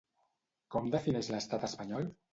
Com defineix l'estat espanyol?